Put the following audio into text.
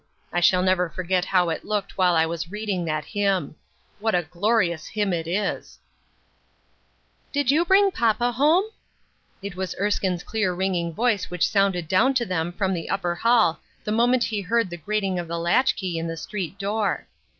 I shall never forget how it looked while I was reading that hymn. What a glorious hymn it is !"" Did you bring papa home ?" It was Erskine's clear ringing voice which sounded down to them from the upper hall the moment he heard the grat ing of the latch key in the street door.